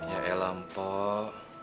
ya elah mpok